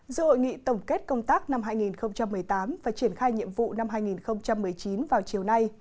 do hội nghị tổng kết công tác năm hai nghìn một mươi tám và triển khai nhiệm vụ năm hai nghìn một mươi chín vào chiều nay